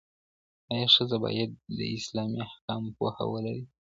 آیا ښځه بايد د اسلامي احکامو پوهه ولري؟